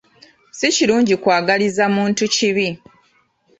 Si kirungi kw'agaliza muntu kibi.